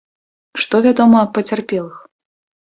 Што вядома аб пацярпелых?